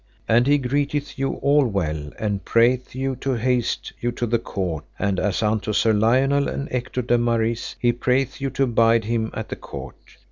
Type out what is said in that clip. And he greeteth you all well, and prayeth you to haste you to the court; and as unto Sir Lionel and Ector de Maris he prayeth you to abide him at the court.